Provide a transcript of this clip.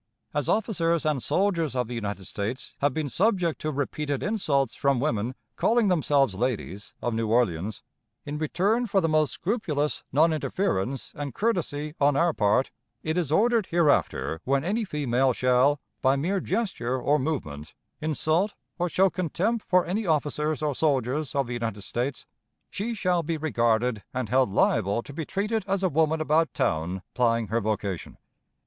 "As officers and soldiers of the United States have been subject to repeated insults from women, calling themselves ladies, of New Orleans, in return for the most scrupulous non interference and courtesy on our part, it is ordered hereafter, when any female shall, by mere gesture or movement, insult, or show contempt for any officers or soldiers of the United States, she shall be regarded and held liable to be treated as a woman about town plying her vocation.